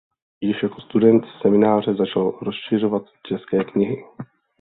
Již jako student semináře začal rozšiřovat české knihy.